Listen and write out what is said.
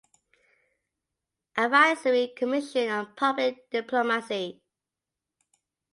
Advisory Commission on Public Diplomacy.